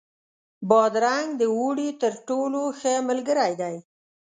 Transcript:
بادرنګ د اوړي تر ټولو ښه ملګری دی.